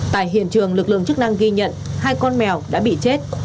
tại hiện trường lực lượng chức năng ghi nhận hai con mèo đã bị chết